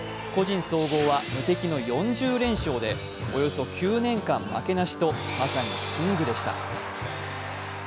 個人総合は無敵の４０連勝でおよそ９年間負けなしと、まさにキングでした。